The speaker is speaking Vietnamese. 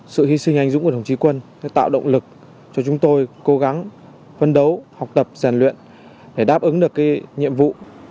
sự hy sinh anh dũng của đồng chí quân đã tạo động lực cho chúng tôi cố gắng phân đấu học tập rèn luyện để đáp ứng được nhiệm vụ